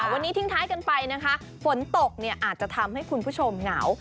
วันนี้ทิ้งท้ายกันไปนะคะฝนตกเนี่ยอาจจะทำให้คุณผู้ชมเหงา